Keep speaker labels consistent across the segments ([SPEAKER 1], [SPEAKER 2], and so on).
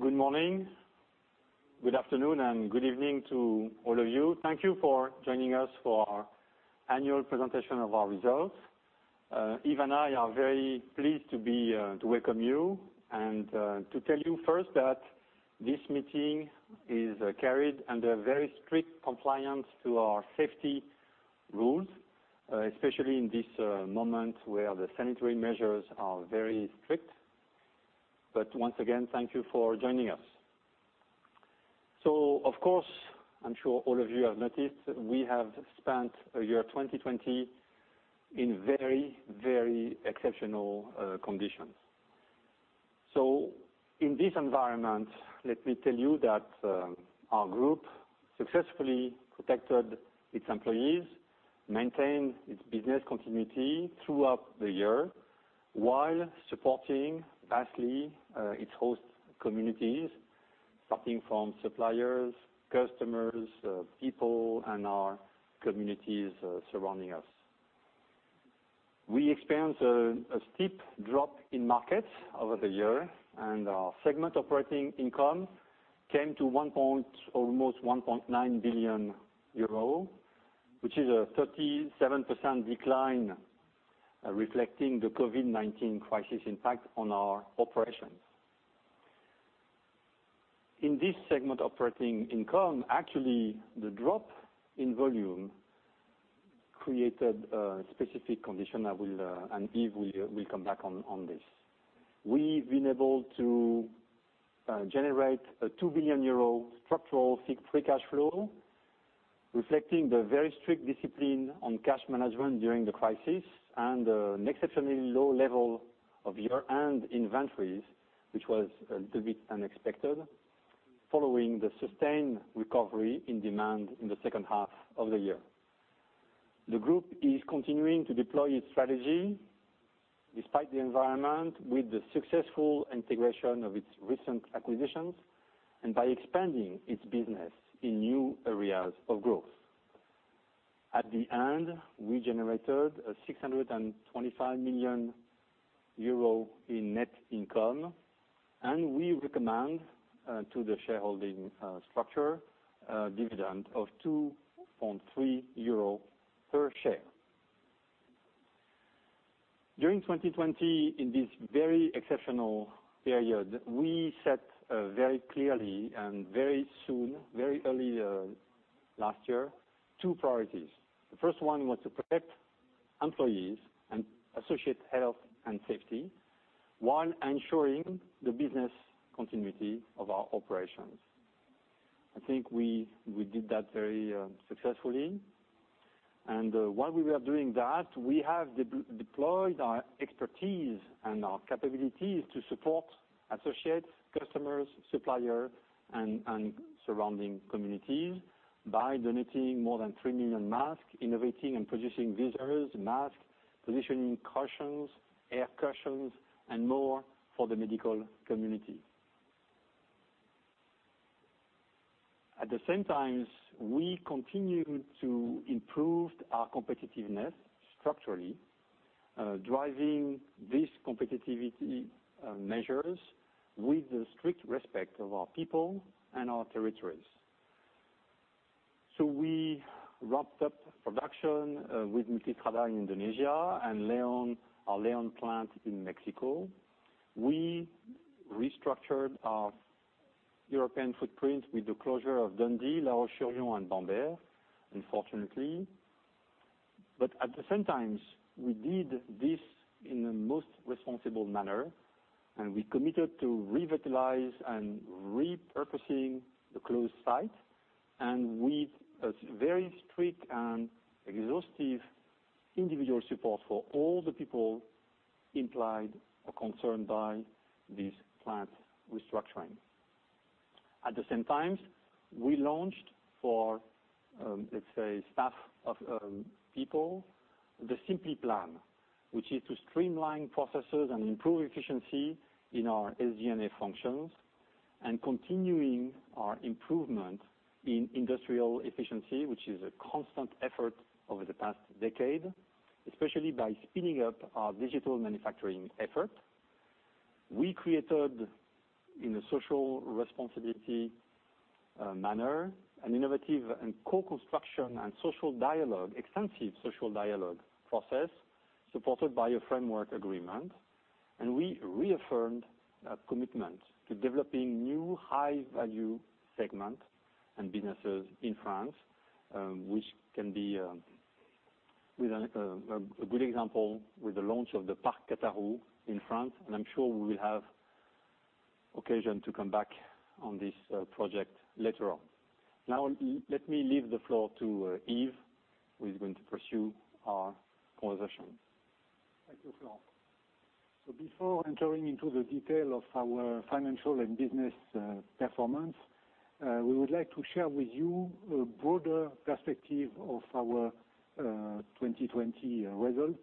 [SPEAKER 1] Good morning, good afternoon, and good evening to all of you. Thank you for joining us for our annual presentation of our results. Yves and I are very pleased to welcome you and to tell you first that this meeting is carried under very strict compliance to our safety rules, especially in this moment where the sanitary measures are very strict. But once again, thank you for joining us. So, of course, I'm sure all of you have noticed we have spent a year 2020 in very, very exceptional conditions. So, in this environment, let me tell you that our group successfully protected its employees, maintained its business continuity throughout the year, while supporting vastly its host communities, starting from suppliers, customers, people, and our communities surrounding us. We experienced a steep drop in markets over the year, and our segment operating income came to almost 1.9 billion euro, which is a 37% decline, reflecting the COVID-19 crisis impact on our operations. In this segment operating income, actually, the drop in volume created a specific condition I will, and Yves will come back on this. We've been able to generate a 2 billion euro structural free cash flow, reflecting the very strict discipline on cash management during the crisis and an exceptionally low level of year-end inventories, which was a little bit unexpected following the sustained recovery in demand in the second half of the year. The group is continuing to deploy its strategy despite the environment, with the successful integration of its recent acquisitions and by expanding its business in new areas of growth. At the end, we generated 625 million euro in net income, and we recommend to the shareholders a dividend of 2.3 euro per share. During 2020, in this very exceptional period, we set very clearly and very soon, very early last year, two priorities. The first one was to protect employees and associate health and safety while ensuring the business continuity of our operations. I think we did that very successfully. While we were doing that, we have deployed our expertise and our capabilities to support associates, customers, suppliers, and surrounding communities by donating more than three million masks, innovating and producing visors, masks, positioning cushions, air cushions, and more for the medical community. At the same time, we continued to improve our competitiveness structurally, driving this competitiveness measures with the strict respect of our people and our territories. We ramped up production with Multistrada in Indonesia and León, our León plant in Mexico. We restructured our European footprint with the closure of Dundee, La Roche-sur-Yon, and Bamberg, unfortunately. At the same time, we did this in the most responsible manner, and we committed to revitalize and repurposing the closed site and with a very strict and exhaustive individual support for all the people implied or concerned by this plant restructuring. At the same time, we launched for, let's say, staff and people, the Simply plan which is to streamline processes and improve efficiency in our SG&A functions, and continuing our improvement in industrial efficiency, which is a constant effort over the past decade, especially by speeding up our digital manufacturing effort. We created, in a socially responsible manner, an innovative co-construction and extensive social dialogue process supported by a framework agreement, and we reaffirmed our commitment to developing new high-value segments and businesses in France, which can be a good example with the launch of the Parc Cataroux in France, and I'm sure we will have occasion to come back on this project later on. Now, let me leave the floor to Yves, who is going to pursue our conversation.
[SPEAKER 2] Thank you, Florent. So before entering into the detail of our financial and business performance, we would like to share with you a broader perspective of our 2020 results,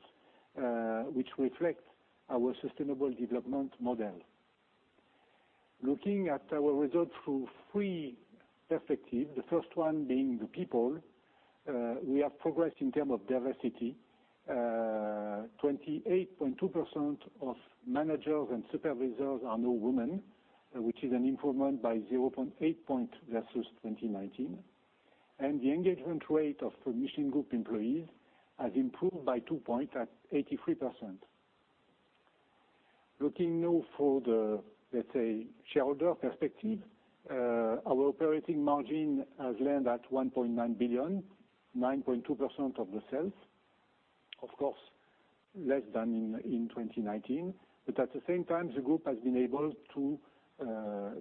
[SPEAKER 2] which reflect our sustainable development model. Looking at our results through three perspectives, the first one being the people, we have progressed in terms of diversity. 28.2% of managers and supervisors are now women, which is an improvement by 0.8 point versus 2019, and the engagement rate of the Michelin Group employees has improved by 2 point at 83%. Looking now for the, let's say, shareholder perspective, our operating margin has landed at 1.9 billion, 9.2% of the sales, of course, less than in 2019, but at the same time, the group has been able to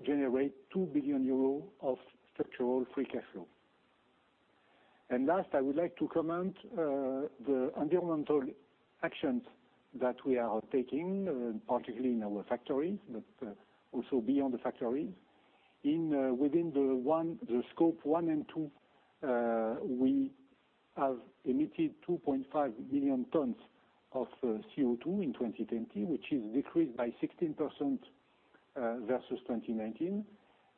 [SPEAKER 2] generate 2 billion euros of structural free cash flow. Last, I would like to comment on the environmental actions that we are taking, particularly in our factories, but also beyond the factories. Within the Scope 1 and 2, we have emitted 2.5 million tons of CO2 in 2020, which decreased by 16% versus 2019,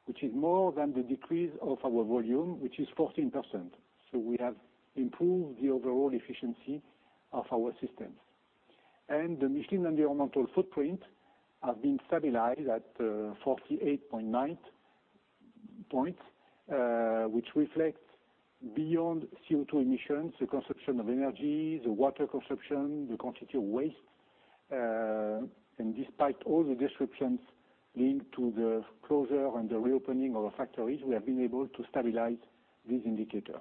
[SPEAKER 2] which is more than the decrease of our volume, which is 14%, so we have improved the overall efficiency of our systems, and the Michelin environmental footprint has been stabilized at 48.9 points, which reflects beyond CO2 emissions the consumption of energy, the water consumption, the quantity of waste, and despite all the disruptions linked to the closure and the reopening of our factories, we have been able to stabilize this indicator.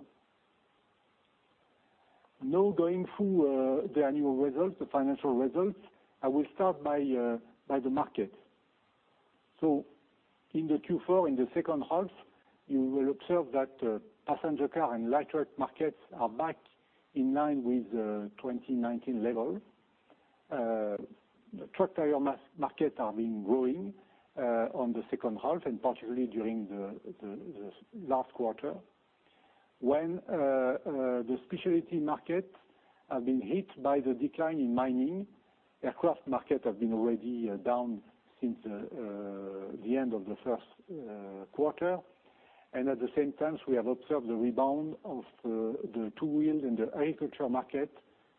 [SPEAKER 2] Now, going through the annual results, the financial results, I will start by the market. In the Q4, in the second half, you will observe that passenger car and light truck markets are back in line with 2019 level. The truck tire markets are being growing in the second half, and particularly during the last quarter. When the specialty markets have been hit by the decline in mining. Aircraft markets have been already down since the end of the first quarter. At the same time, we have observed the rebound of the two-wheeled and the agriculture market,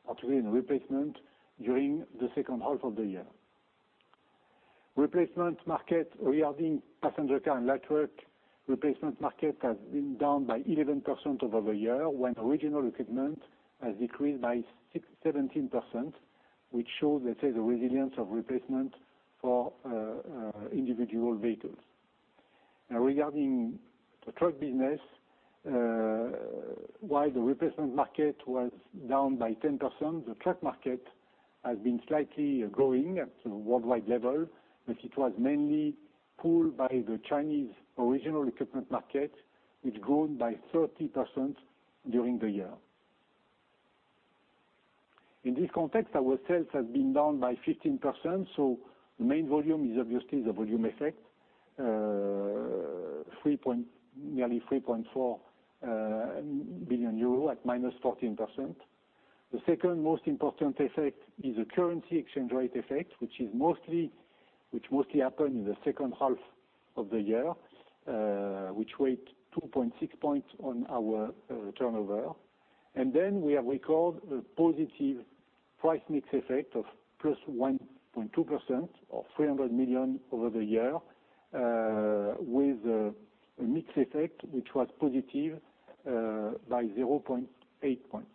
[SPEAKER 2] particularly in replacement, during the second half of the year. Replacement market regarding passenger car and light truck replacement markets have been down by 11% over the year when original equipment has decreased by 17%, which shows, let's say, the resilience of replacement for individual vehicles. Regarding the truck business, while the replacement market was down by 10%, the truck market has been slightly growing at the worldwide level, but it was mainly pulled by the Chinese original equipment market, which grew by 30% during the year. In this context, our sales have been down by 15%. The main volume is obviously the volume effect, nearly 3.4 billion euro at -14%. The second most important effect is the currency exchange rate effect, which mostly happened in the second half of the year, which weighed 2.6 point on our turnover. We have recorded a positive price mix effect of +1.2% or 300 million over the year, with a mix effect which was positive by 0.8 point.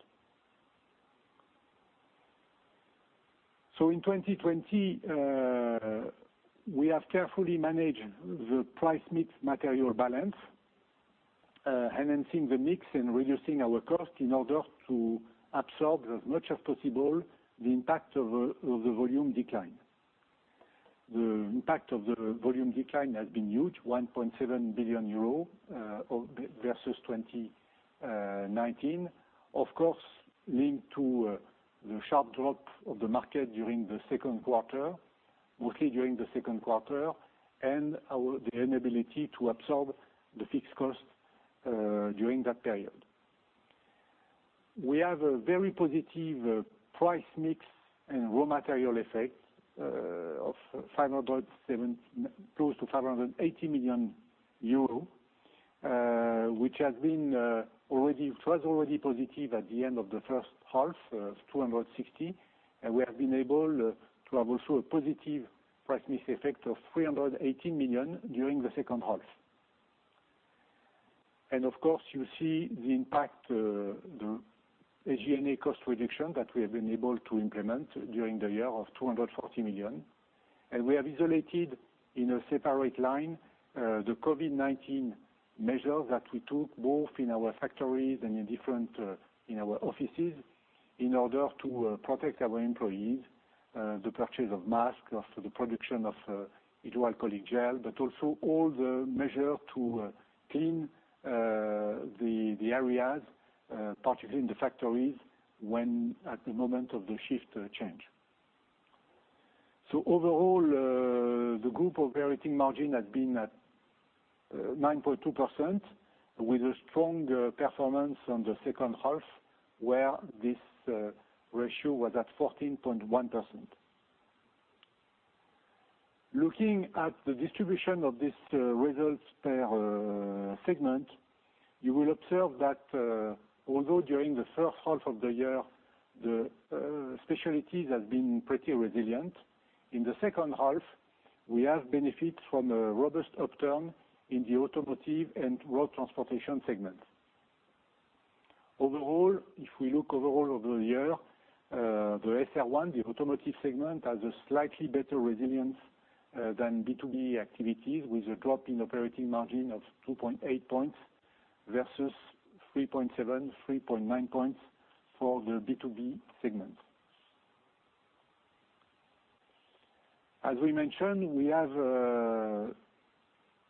[SPEAKER 2] So in 2020, we have carefully managed the price mix material balance, enhancing the mix and reducing our cost in order to absorb as much as possible the impact of the volume decline. The impact of the volume decline has been huge, 1.7 billion euro versus 2019, of course, linked to the sharp drop of the market during the second quarter, and our inability to absorb the fixed cost during that period. We have a very positive price mix and raw material effect of 570 million close to 580 million euro, which has been already positive at the end of the first half, 260 million. And we have been able to have also a positive price mix effect of 318 million during the second half. Of course, you see the impact, the SG&A cost reduction that we have been able to implement during the year of 240 million. We have isolated in a separate line, the COVID-19 measures that we took both in our factories and in our offices in order to protect our employees, the purchase of masks or for the production of hydroalcoholic gel, but also all the measures to clean the areas, particularly in the factories when at the moment of the shift change. Overall, the group operating margin has been at 9.2% with a strong performance on the second half where this ratio was at 14.1%. Looking at the distribution of this results per segment, you will observe that although during the first half of the year the specialties have been pretty resilient, in the second half we have benefits from a robust upturn in the automotive and road transportation segments. Overall, if we look overall over the year, the SR1, the automotive segment, has a slightly better resilience than B2B activities with a drop in operating margin of 2.8 point versus 3.7, 3.9 point for the B2B segment. As we mentioned, we have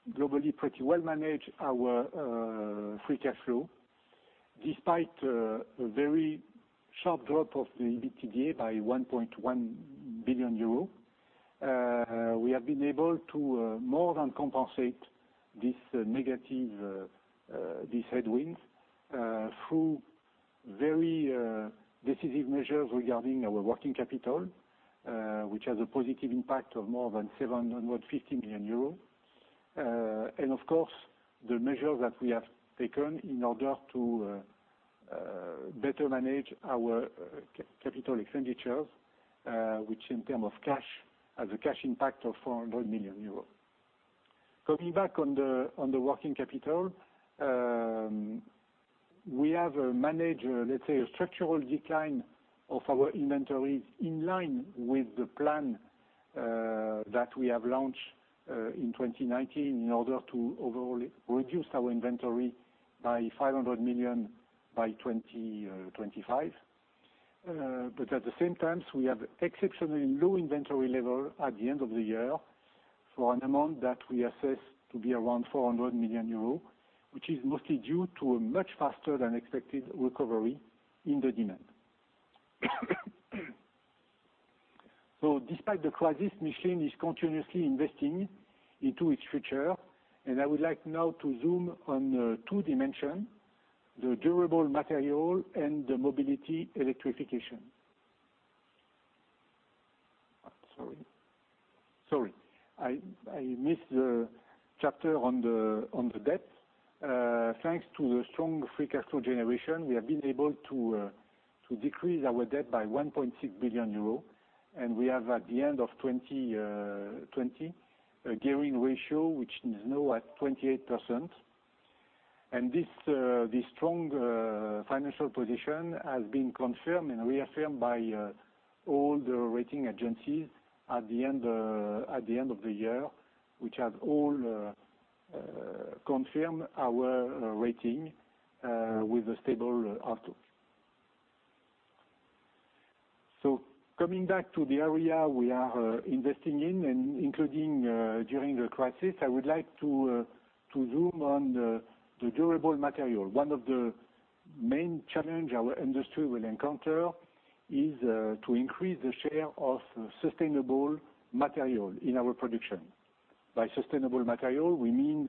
[SPEAKER 2] globally pretty well managed our free cash flow despite a very sharp drop of the EBITDA by 1.1 billion euro. We have been able to more than compensate this negative, these headwinds through very decisive measures regarding our working capital, which has a positive impact of more than 750 million euros. Of course, the measures that we have taken in order to better manage our capital expenditures, which in terms of cash has a cash impact of 400 million euros. Coming back on the working capital, we have managed, let's say, a structural decline of our inventories in line with the plan that we have launched in 2019 in order to overall reduce our inventory by 500 million by 2025. But at the same time, we have exceptionally low inventory level at the end of the year for an amount that we assess to be around 400 million euros, which is mostly due to a much faster than expected recovery in the demand. So despite the crisis, Michelin is continuously investing into its future, and I would like now to zoom on two dimensions: the durable material and the mobility electrification. Sorry. Sorry. I missed the chapter on the debt. Thanks to the strong free cash flow generation, we have been able to decrease our debt by 1.6 billion euro, and we have, at the end of 2020, a gearing ratio which is now at 28%. This strong financial position has been confirmed and reaffirmed by all the rating agencies at the end of the year, which have all confirmed our rating with a stable outlook. Coming back to the area we are investing in, including during the crisis, I would like to zoom on the durable material. One of the main challenges our industry will encounter is to increase the share of sustainable material in our production. By sustainable material, we mean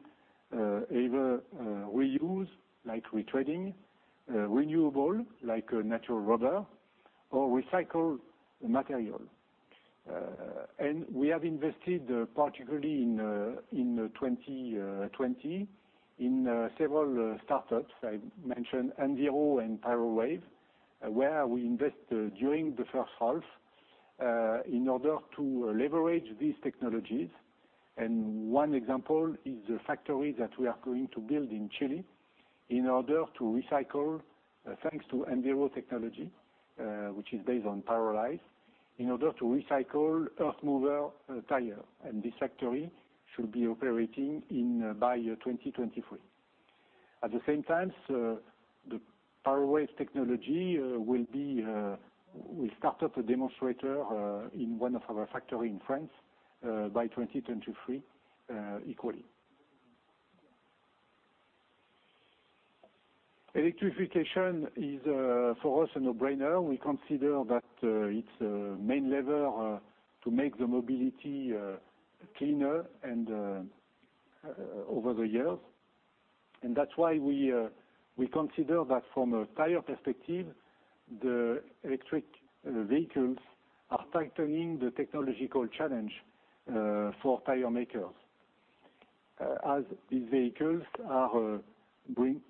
[SPEAKER 2] either reuse, like retreading, renewable, like natural rubber, or recycled material. We have invested, particularly in 2020 in several startups. I mentioned Enviro and Pyrowave, where we invested during the first half in order to leverage these technologies. One example is the factory that we are going to build in Chile in order to recycle, thanks to Enviro technology, which is based on pyrolyze, in order to recycle earthmover tire. This factory should be operating by 2023. At the same time, the Pyrowave technology will start up a demonstrator in one of our factories in France by 2023 equally. Electrification is for us a no-brainer. We consider that it is a main lever to make the mobility cleaner and over the years. And that's why we consider that from a tire perspective, the electric vehicles are tightening the technological challenge for tire makers, as these vehicles are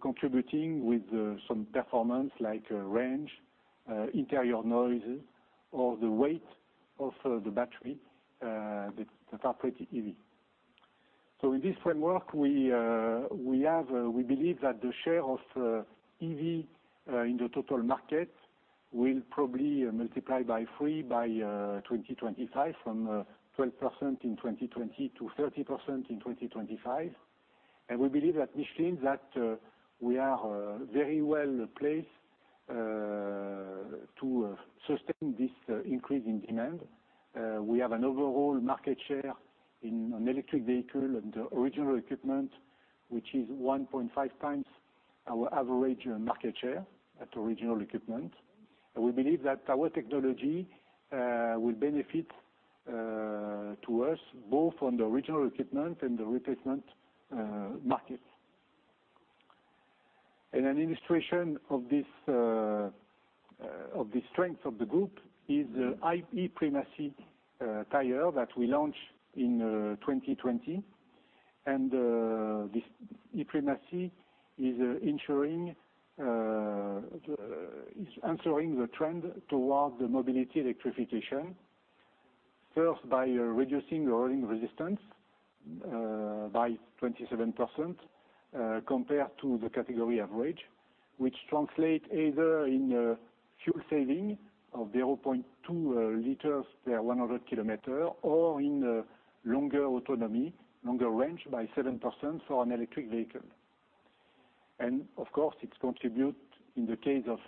[SPEAKER 2] contributing with some performance like range, interior noise, or the weight of the battery that are pretty heavy. So in this framework, we believe that the share of EV in the total market will probably multiply by three by 2025 from 12% in 2020 to 30% in 2025. And we believe at Michelin that we are very well placed to sustain this increase in demand. We have an overall market share in an electric vehicle and the original equipment, which is 1.5x our average market share at original equipment. And we believe that our technology will benefit to us both on the original equipment and the replacement market. An illustration of this, of the strength of the group is the e.Primacy tire that we launched in 2020. This e.Primacy is answering the trend toward the mobility electrification, first by reducing the rolling resistance by 27% compared to the category average, which translates either in fuel saving of 0.2 L per 100 km or in longer autonomy, longer range by 7% for an electric vehicle. Of course, it contributes in the case of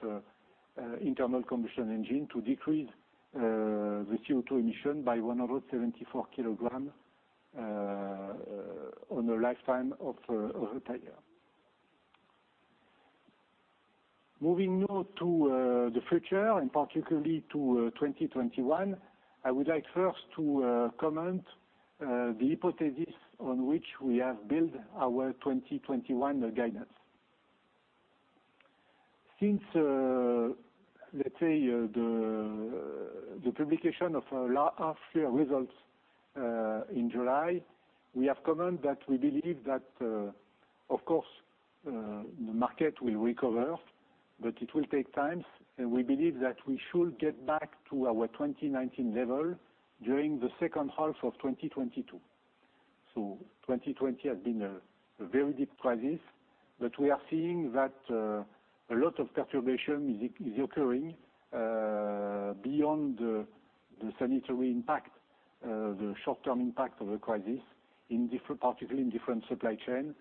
[SPEAKER 2] internal combustion engine to decrease the CO2 emission by 174 kg on a lifetime of a tire. Moving now to the future, and particularly to 2021, I would like first to comment the hypothesis on which we have built our 2021 guidance. Since, let's say, the publication of our last year results, in July, we have commented that we believe that, of course, the market will recover, but it will take time, and we believe that we should get back to our 2019 level during the second half of 2022, so 2020 has been a very deep crisis, but we are seeing that a lot of perturbation is occurring beyond the sanitary impact, the short-term impact of the crisis, particularly in different supply chains,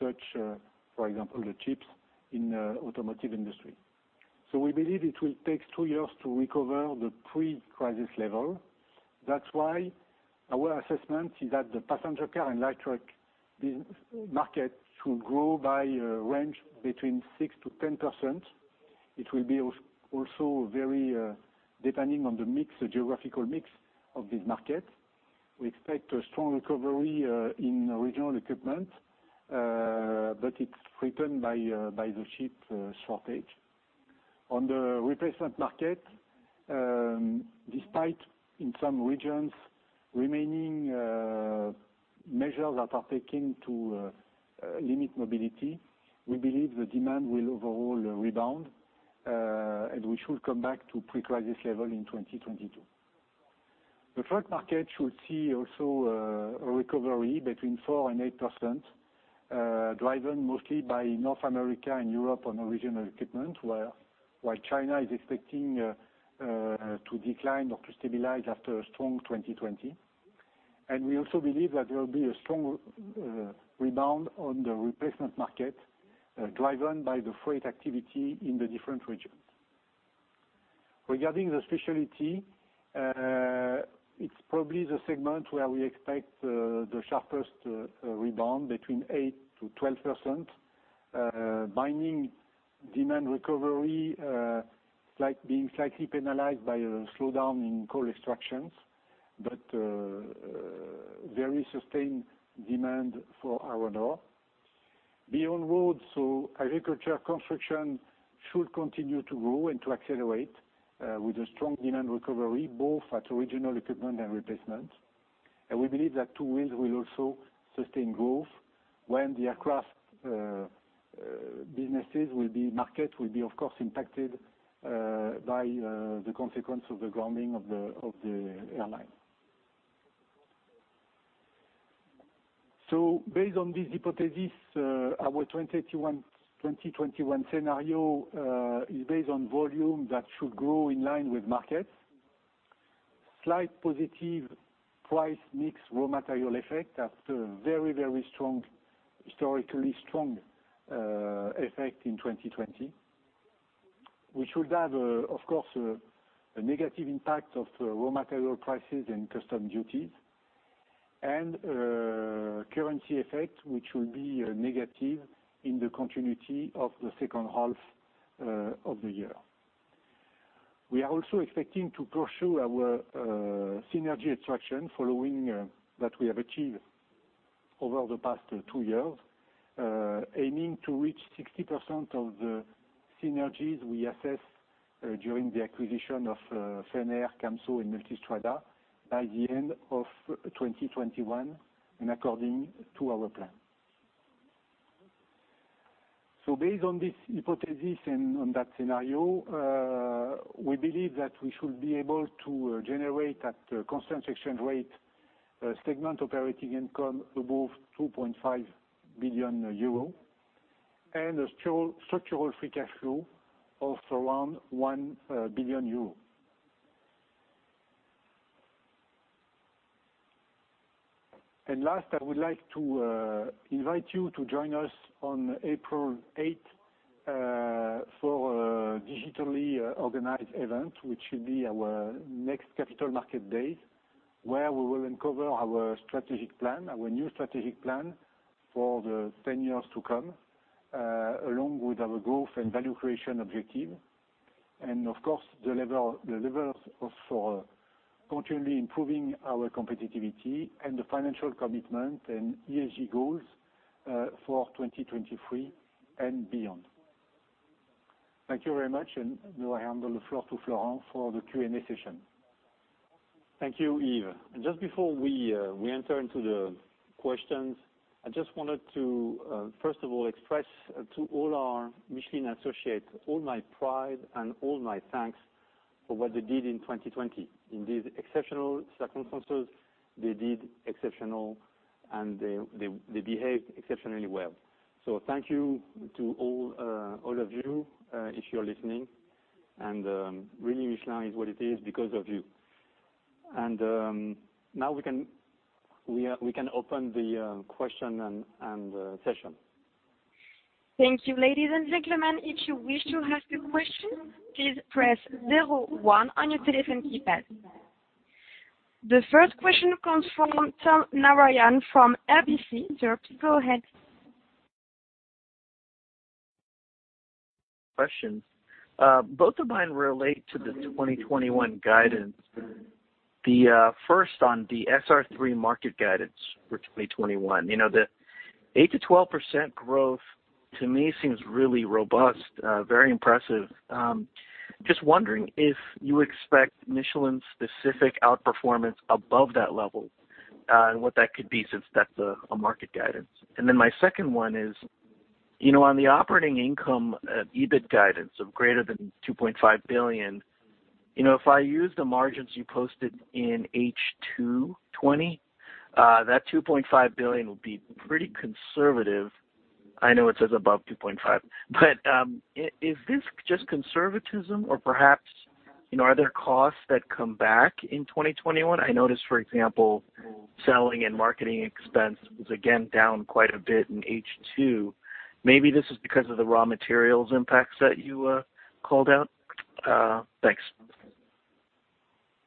[SPEAKER 2] such as, for example, the chips in the automotive industry, so we believe it will take two years to recover the pre-crisis level. That's why our assessment is that the passenger car and light truck business market should grow by a range between 6% to 10%. It will be also very depending on the geographic mix of this market. We expect a strong recovery in original equipment, but it's threatened by the chip shortage. On the replacement market, despite in some regions remaining measures that are taken to limit mobility, we believe the demand will overall rebound, and we should come back to pre-crisis level in 2022. The truck market should see also a recovery between 4% and 8%, driven mostly by North America and Europe on original equipment, while China is expecting to decline or to stabilize after a strong 2020, and we also believe that there will be a strong rebound on the replacement market, driven by the freight activity in the different regions. Regarding the specialty, it's probably the segment where we expect the sharpest rebound between 8% to 12%, mining demand recovery, slightly penalized by a slowdown in coal extractions, but very sustained demand for our raw material. Beyond roads, agriculture and construction should continue to grow and to accelerate, with a strong demand recovery both at original equipment and replacement. We believe that two wheels will also sustain growth when the aircraft business, the market will be, of course, impacted by the consequence of the grounding of the airline. Based on this hypothesis, our 2021 scenario is based on volume that should grow in line with markets, slight positive price mix raw material effect after very strong, historically strong effect in 2020. We should have, of course, a negative impact of raw material prices and customs duties, and currency effect which will be a negative in the continuity of the second half of the year. We are also expecting to pursue our synergy extraction following that we have achieved over the past two years, aiming to reach 60% of the synergies we assess during the acquisition of Fenner, Camso, and Multistrada by the end of 2021 and according to our plan. So based on this hypothesis and on that scenario, we believe that we should be able to generate at constant exchange rate segment operating income above 2.5 billion euro and a structural free cash flow of around 1 billion euro. And last, I would like to invite you to join us on April 8th for a digitally organized event, which should be our next Capital Markets Day, where we will uncover our strategic plan, our new strategic plan for the 10 years to come, along with our growth and value creation objective. Of course, the level of continually improving our competitiveness and the financial commitment and ESG goals for 2023 and beyond. Thank you very much, and now I hand the floor to Florent for the Q&A session.
[SPEAKER 1] Thank you, Yves. Just before we enter into the questions, I just wanted to first of all express to all our Michelin associates all my pride and all my thanks for what they did in 2020. In these exceptional circumstances, they did exceptional, and they behaved exceptionally well. So thank you to all of you, if you're listening. Really, Michelin is what it is because of you. Now we can open the question and answer session.
[SPEAKER 3] Thank you, ladies and gentlemen. If you wish to ask a question, please press zero one on your telephone keypad. The first question comes from Tom Narayan from RBC. Sir, please go ahead.
[SPEAKER 4] Both of mine relate to the 2021 guidance. The first on the SR3 market guidance for 2021, you know, the 8% to 12% growth to me seems really robust, very impressive. Just wondering if you expect Michelin-specific outperformance above that level, and what that could be since that's a market guidance. And then my second one is, you know, on the operating income, EBIT guidance of greater than 2.5 billion, you know, if I use the margins you posted in H220, that 2.5 billion would be pretty conservative. I know it says above 2.5 million, but is this just conservatism or perhaps, you know, are there costs that come back in 2021? I noticed, for example, selling and marketing expense was again down quite a bit in H2. Maybe this is because of the raw materials impacts that you called out. Thanks.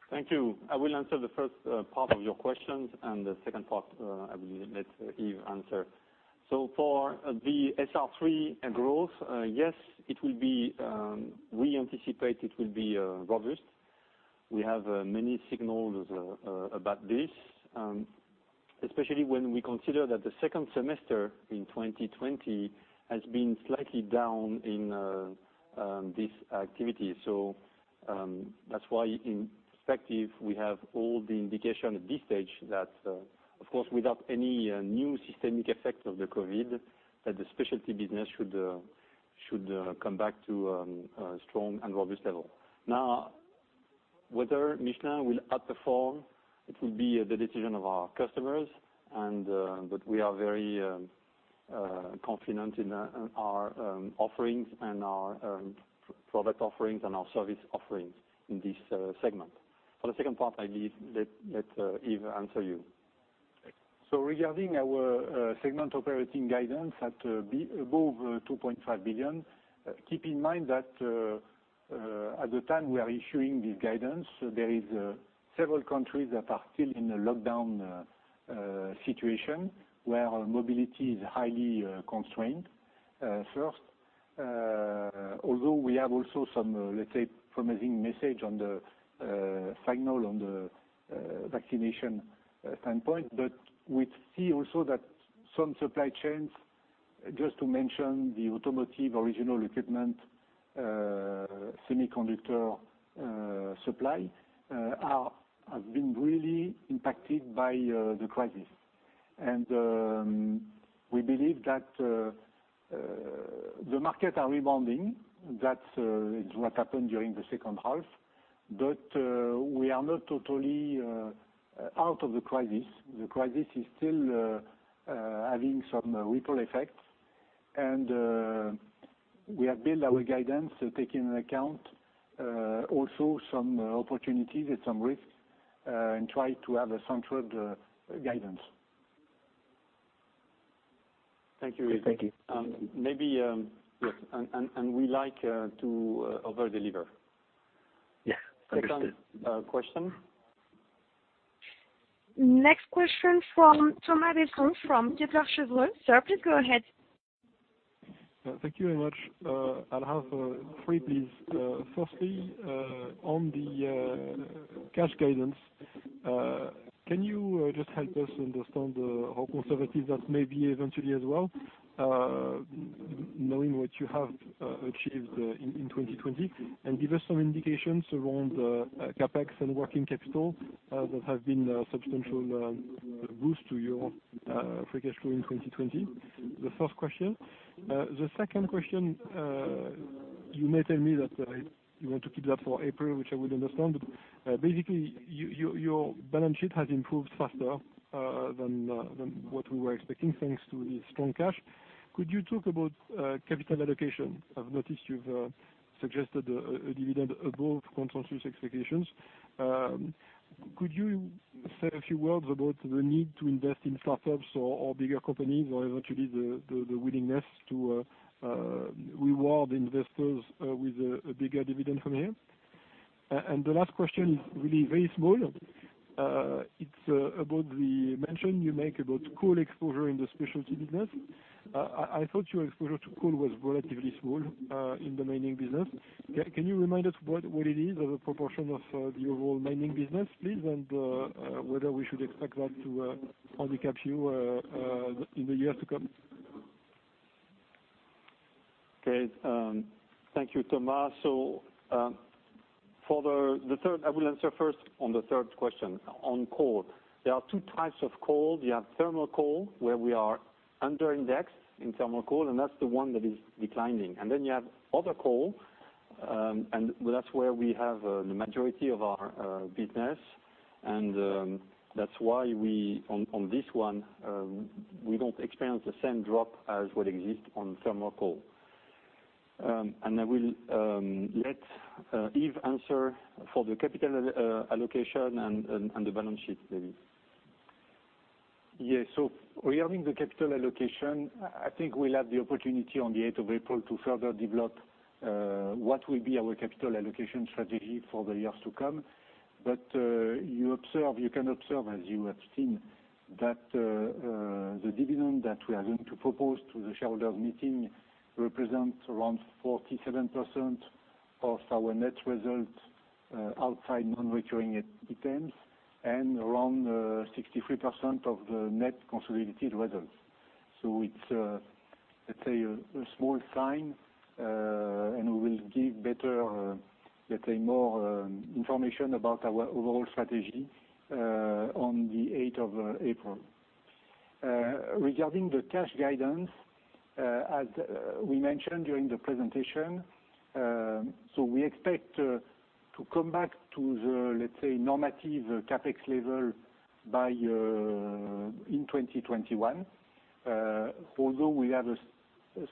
[SPEAKER 1] Thank you. I will answer the first part of your questions and the second part, I will let Yves answer. So for the SR3 growth, yes, it will be. We anticipate it will be robust. We have many signals about this, especially when we consider that the second semester in 2020 has been slightly down in this activity. So that's why in perspective we have all the indication at this stage that, of course, without any new systemic effect of the COVID, that the specialty business should come back to a strong and robust level. Now, whether Michelin will outperform, it will be the decision of our customers. But we are very confident in our offerings and our product offerings and our service offerings in this segment. For the second part, I leave it to Yves to answer you.
[SPEAKER 2] So regarding our segment operating guidance to be above 2.5 billion, keep in mind that at the time we are issuing this guidance, there is several countries that are still in a lockdown situation where mobility is highly constrained. First, although we have also some, let's say, promising signals on the vaccination standpoint, but we see also that some supply chains, just to mention the automotive original equipment semiconductor supply, have been really impacted by the crisis. And we believe that the markets are rebounding. That's what happened during the second half. But we are not totally out of the crisis. The crisis is still having some ripple effects. And we have built our guidance, taking into account also some opportunities and some risks, and try to have a central guidance.
[SPEAKER 4] Thank you, Yves. Thank you.
[SPEAKER 1] Maybe, yes. And we like to overdeliver.
[SPEAKER 4] Yes. Thank you.
[SPEAKER 1] Second question.
[SPEAKER 3] Next question from Thomas Besson from Kepler Cheuvreux. Sir, please go ahead.
[SPEAKER 5] Thank you very much. I'll have three, please. Firstly, on the cash guidance, can you just help us understand how conservative that may be eventually as well, knowing what you have achieved in 2020, and give us some indications around CapEx and working capital that have been substantial boost to your free cash flow in 2020? The first question. The second question, you may tell me that you want to keep that for April, which I would understand, but basically your balance sheet has improved faster than what we were expecting thanks to the strong cash. Could you talk about capital allocation? I've noticed you've suggested a dividend above consensus expectations. Could you say a few words about the need to invest in startups or bigger companies or eventually the willingness to reward investors with a bigger dividend from here? And the last question is really very small. It's about the mention you make about coal exposure in the specialty business. I thought your exposure to coal was relatively small in the mining business. Can you remind us what it is as a proportion of the overall mining business, please, and whether we should expect that to only cap you in the years to come?
[SPEAKER 1] Okay. Thank you, Thomas. So, for the third, I will answer first on the third question on coal. There are two types of coal. You have thermal coal where we are underindexed in thermal coal, and that's the one that is declining. And then you have other coal, and that's where we have the majority of our business. And that's why we on this one, we don't experience the same drop as what exists on thermal coal. And I will let Yves answer for the capital allocation and the balance sheet, maybe.
[SPEAKER 2] Yes. So regarding the capital allocation, I think we'll have the opportunity on the 8th of April to further develop what will be our capital allocation strategy for the years to come. But you can observe, as you have seen, that the dividend that we are going to propose to the shareholders meeting represents around 47% of our net result, outside non-recurring items, and around 63% of the net consolidated results. So it's, let's say, a small sign, and we will give better, let's say, more information about our overall strategy on the 8th of April. Regarding the cash guidance, as we mentioned during the presentation, so we expect to come back to the, let's say, normative CapEx level by 2021, although we have a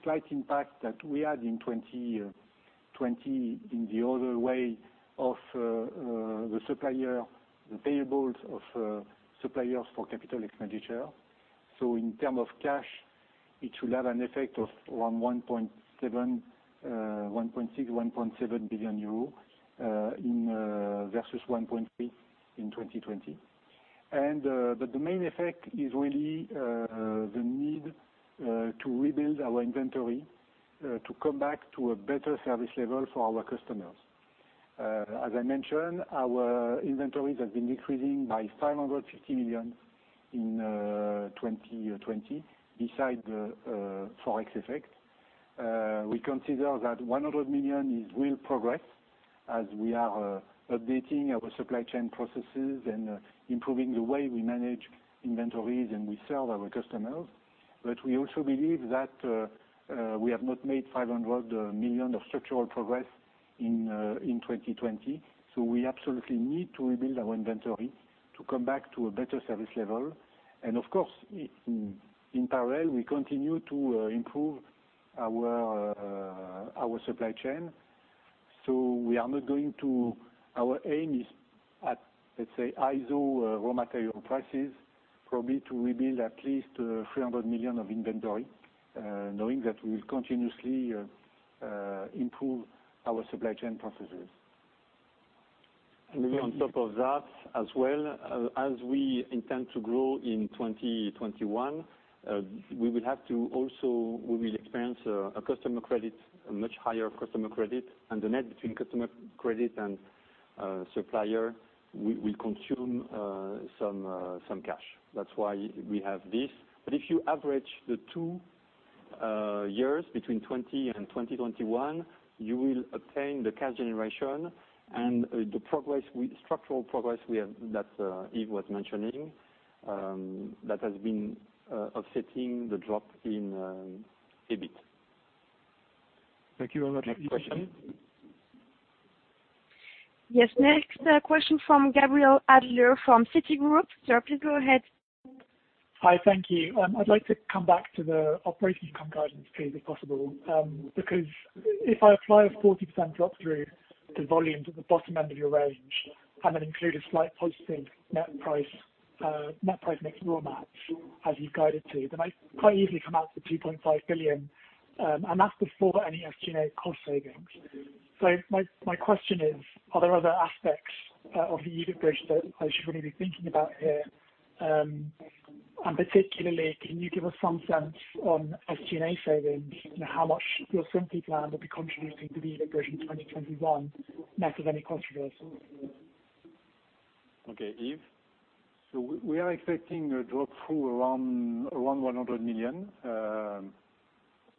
[SPEAKER 2] slight impact that we had in 2020 in the other way of the supplier, the payables of suppliers for capital expenditure. So in terms of cash, it should have an effect of around 1.6, 1.7 billion euro versus 1.3 billion in 2020. But the main effect is really the need to rebuild our inventory to come back to a better service level for our customers. As I mentioned, our inventories have been decreasing by 550 million in 2020 besides the Forex effect. We consider that 100 million is real progress as we are updating our supply chain processes and improving the way we manage inventories and we serve our customers, but we also believe that we have not made 500 million of structural progress in 2020, so we absolutely need to rebuild our inventory to come back to a better service level, and of course in parallel we continue to improve our supply chain, so we are not going to. Our aim is at, let's say, lower raw material prices probably to rebuild at least 300 million of inventory, knowing that we will continuously improve our supply chain processes,
[SPEAKER 1] and maybe on top of that as well as we intend to grow in 2021 we will have to also experience a customer credit, a much higher customer credit. The net between customer credit and supplier, we will consume some cash. That's why we have this. But if you average the two years between 2020 and 2021, you will obtain the cash generation and the structural progress we have that Yves was mentioning, that has been offsetting the drop in EBIT.
[SPEAKER 5] Thank you very much.
[SPEAKER 1] Yes, next question
[SPEAKER 3] Yes, next question from from Gabriel Adler from Citigroup. Sir, please go ahead.
[SPEAKER 6] Hi, thank you. I'd like to come back to the operating income guidance, please, if possible, because if I apply a 40% drop-through on the volumes at the bottom end of your range and then include a slight positive net price mix raw mat as you've guided to, then I quite easily come out to 2.5 billion, and that's before any SG&A cost savings. So my question is, are there other aspects of the EBIT bridge that I should really be thinking about here? And particularly, can you give us some sense on SG&A savings, you know, how much your Simply Plan will be contributing to the EBIT bridge in 2021, net of any cost reversal?
[SPEAKER 1] Okay, Yves.
[SPEAKER 2] So we are expecting a drop-through around 100 million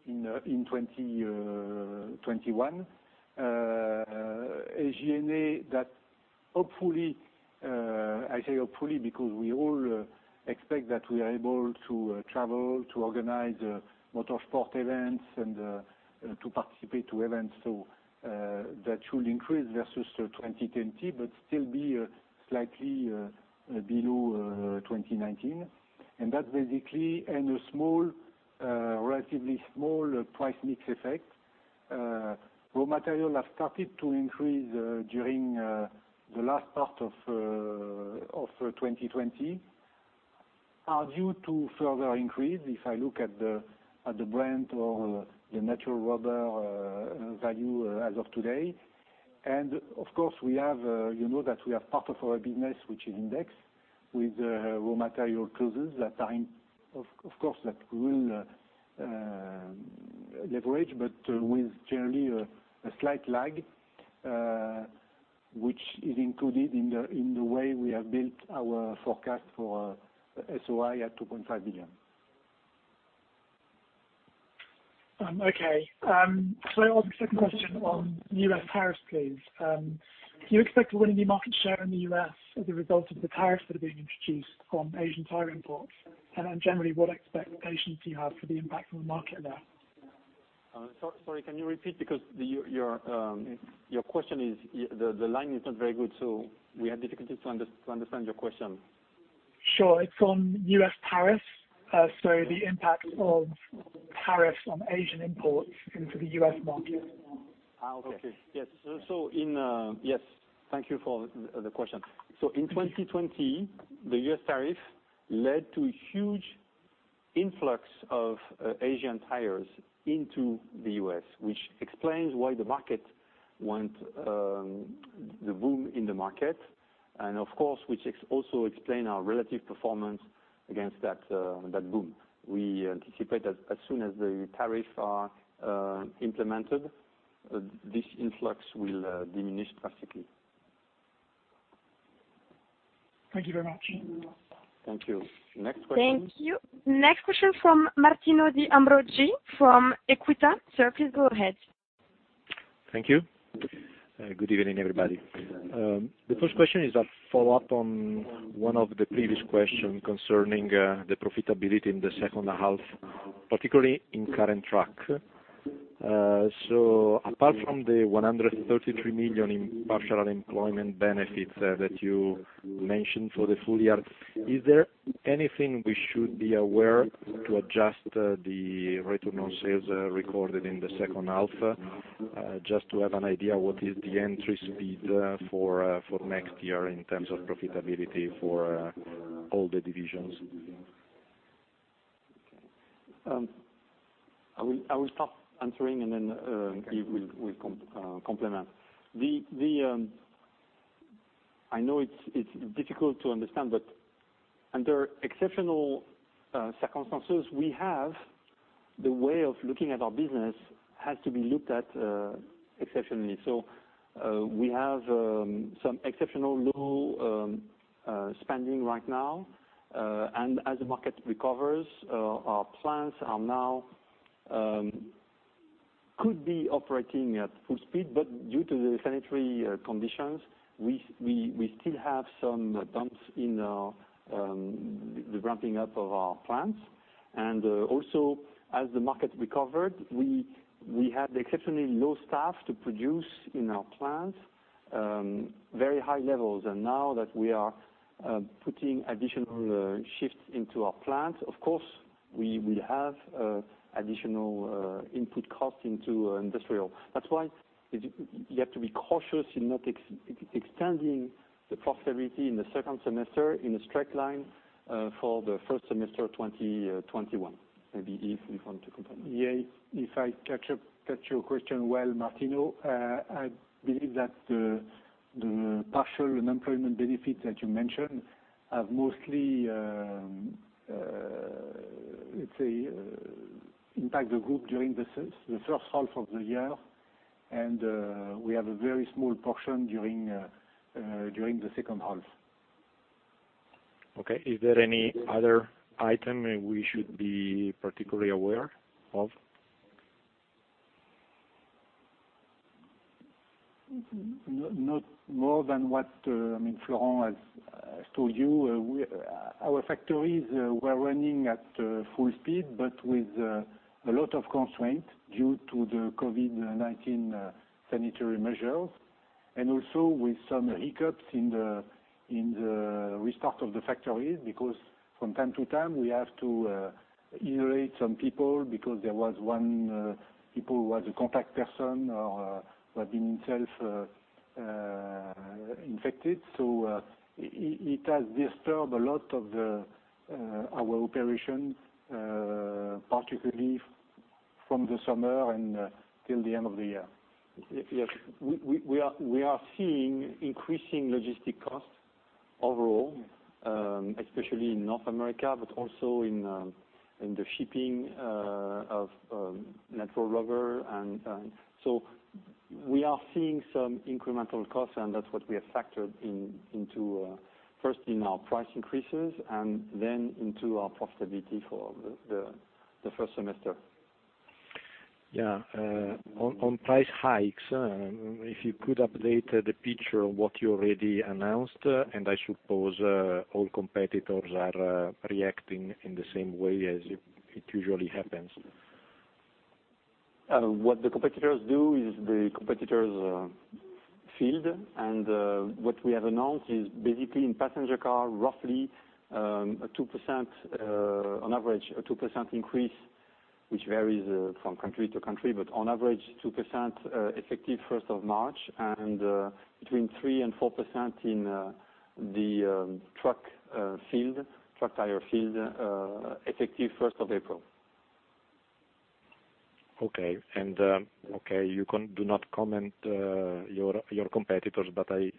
[SPEAKER 2] in 2021. SG&A that hopefully, I say hopefully because we all expect that we are able to travel to organize motorsport events and to participate to events. So that should increase versus 2020, but still be slightly below 2019. And that's basically in a small, relatively small price mix effect. Raw materials have started to increase during the last part of 2020, are expected to further increase if I look at the price of the natural rubber prices as of today. And of course, you know that we have part of our business which is indexed to raw material costs that are, of course, that we will leverage, but with generally a slight lag, which is included in the way we have built our forecast for SOI at 2.5 billion.
[SPEAKER 6] Okay. So I'll have a second question on U.S. tariffs, please. Do you expect to win new market share in the U.S. as a result of the tariffs that are being introduced on Asian tire imports? And generally, what expectations do you have for the impact on the market there?
[SPEAKER 1] Sorry, can you repeat? Because your question is, the line is not very good, so we have difficulty to understand your question.
[SPEAKER 6] Sure. It's on U.S. tariffs, so the impact of tariffs on Asian imports into the U.S. market.
[SPEAKER 1] Okay. Yes. So, yes. Thank you for the question. So in 2020, the U.S. tariff led to huge influx of Asian tires into the U.S., which explains why the market went boom in the market. And of course, which also explains our relative performance against that boom. We anticipate that as soon as the tariffs are implemented, this influx will diminish drastically.
[SPEAKER 6] Thank you very much.
[SPEAKER 1] Thank you. Next question.
[SPEAKER 3] Thank you. Next question from Martino De Ambroggi from EQUITA. Sir, please go ahead.
[SPEAKER 7] Thank you. Good evening, everybody. The first question is a follow-up on one of the previous questions concerning the profitability in the second half, particularly in the truck. So apart from the 133 million in partial unemployment benefits that you mentioned for the full year, is there anything we should be aware to adjust the rate of non-sales recorded in the second half, just to have an idea what is the entry speed for next year in terms of profitability for all the divisions?
[SPEAKER 1] Okay. I will start answering and then Yves will complement. I know it's difficult to understand, but under exceptional circumstances we have the way of looking at our business has to be looked at exceptionally so we have some exceptionally low spending right now. and as the market recovers, our plants are now able to be operating at full speed, but due to the sanitary conditions, we still have some bumps in the ramping up of our plants. And also as the market recovered, we had exceptionally low staff to produce in our plants, very high levels. And now that we are putting additional shifts into our plants, of course, we will have additional input costs into industrial. That's why you have to be cautious in not extending the profitability in the second semester in a straight line for the first semester of 2021. Maybe Yves, if you want to complement.
[SPEAKER 2] Yeah. If I catch your question well, Martino, I believe that the partial unemployment benefits that you mentioned have mostly, let's say, impacted the group during the first half of the year. We have a very small portion during the second half.
[SPEAKER 7] Okay. Is there any other item we should be particularly aware of?
[SPEAKER 2] Not more than what, I mean, Florent has told you. Our factories were running at full speed, but with a lot of constraints due to the COVID-19 sanitary measures. And also with some hiccups in the restart of the factories because from time to time we have to isolate some people because there was one person who was a contact person or who had been himself infected. So, it has disturbed a lot of our operation, particularly from the summer and till the end of the year.
[SPEAKER 1] Yes. We are seeing increasing logistics costs overall, especially in North America, but also in the shipping of natural rubber, so we are seeing some incremental costs, and that's what we have factored in into first in our price increases and then into our profitability for the first semester.
[SPEAKER 7] Yeah. On price hikes, if you could update the picture of what you already announced, and I suppose all competitors are reacting in the same way as it usually happens.
[SPEAKER 1] What the competitors do is the competitors field. And what we have announced is basically in passenger car, roughly a 2%, on average a 2% increase, which varies from country to country, but on average 2%, effective 1st of March, and between 3% and 4% in the truck tire field, effective 1st of April.
[SPEAKER 7] Okay. Okay, you cannot comment on your competitors, but I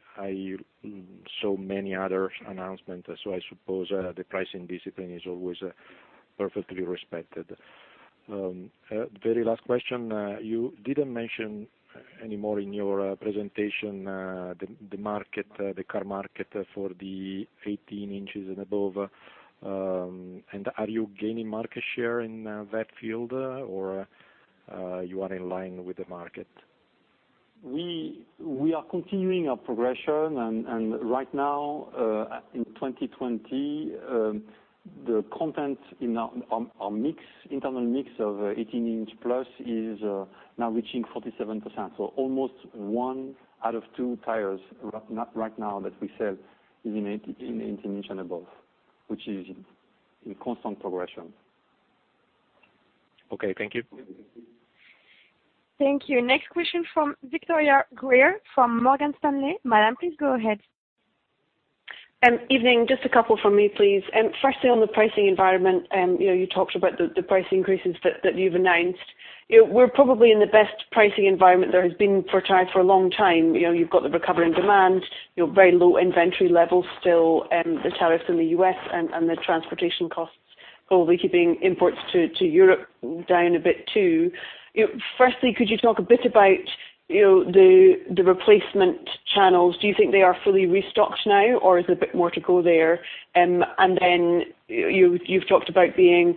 [SPEAKER 7] saw many other announcements. So I suppose the pricing discipline is always perfectly respected. Very last question. You didn't mention anymore in your presentation the market, the car market for the 18-inch and above. And are you gaining market share in that field, or you are in line with the market?
[SPEAKER 1] We are continuing our progression. And right now, in 2020, the content in our mix, internal mix of 18-inch plus is now reaching 47%. So almost one out of two tires right now that we sell is in 18-inch and above, which is in constant progression.
[SPEAKER 7] Okay. Thank you.
[SPEAKER 3] Thank you. Next question from Victoria Greer from Morgan Stanley. Madame, please go ahead.
[SPEAKER 8] Evening. Just a couple from me, please. Firstly, on the pricing environment, you know, you talked about the price increases that you've announced. You know, we're probably in the best pricing environment there has been for tires for a long time. You know, you've got the recovering demand, your very low inventory level still, the tariffs in the U.S., and the transportation costs, probably keeping imports to Europe down a bit too. You know, firstly, could you talk a bit about the replacement channels? Do you think they are fully restocked now, or is there a bit more to go there? And then, you know, you've talked about being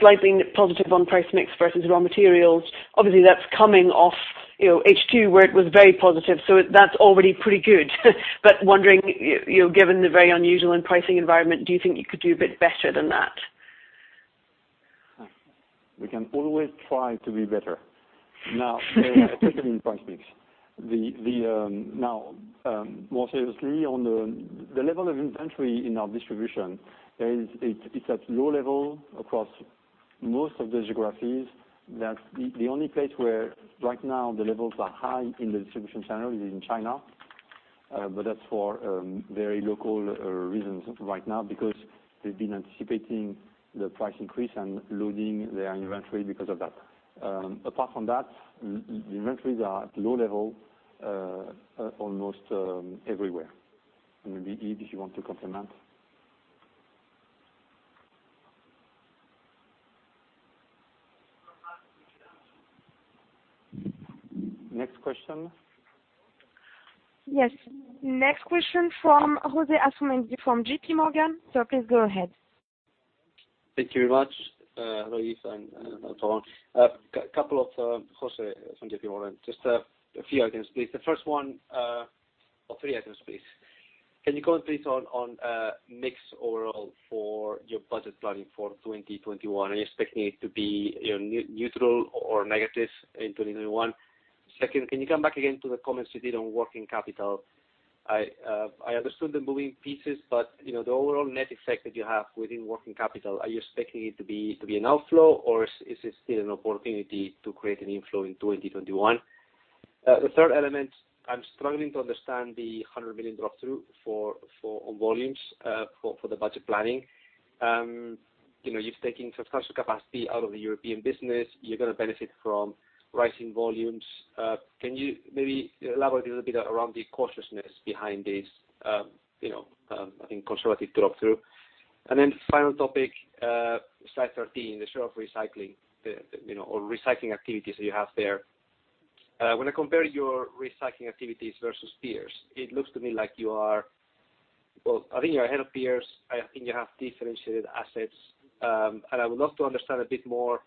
[SPEAKER 8] slightly positive on price mix versus raw materials. Obviously, that's coming off H2 where it was very positive. So that's already pretty good. But, wondering, you know, given the very unusual pricing environment, do you think you could do a bit better than that?
[SPEAKER 1] We can always try to be better. Now, especially in price mix. Now, more seriously, on the level of inventory in our distribution, it's at low level across most of the geographies. That's the only place where right now the levels are high in the distribution channel is in China. But that's for very local reasons right now because they've been anticipating the price increase and loading their inventory because of that. Apart from that, the inventories are at low level almost everywhere. Maybe Yves, if you want to complement. Next question.
[SPEAKER 3] Yes. Next question from José Asumendi from JPMorgan. Sir, please go ahead.
[SPEAKER 9] Thank you very much. Hello, Yves. I'm Florent. Couple of, José from JPMorgan. Just a few items, please. The first one, or three items, please. Can you comment, please, on mix overall for your budget planning for 2021? Are you expecting it to be, you know, neutral or negative in 2021? Second, can you come back again to the comments you did on working capital? I understood the moving pieces, but, you know, the overall net effect that you have within working capital, are you expecting it to be an outflow, or is it still an opportunity to create an inflow in 2021? The third element, I'm struggling to understand the 100 million drop-through for on volumes for the budget planning. You know, you've taken substantial capacity out of the European business. You're gonna benefit from rising volumes. Can you maybe elaborate a little bit around the cautiousness behind this, you know, I think, conservative drop-through? And then, final topic, slide 13, the share of recycling, you know, or recycling activities that you have there. When I compare your recycling activities versus peers, it looks to me like you are well. I think you're ahead of peers. I think you have differentiated assets. I would love to understand a bit more